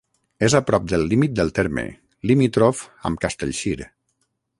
És a prop del límit del terme, limítrof amb Castellcir.